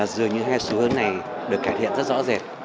dường như hai xu hướng này được cải thiện rất rõ rệt